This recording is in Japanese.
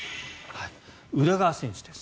宇田川選手です。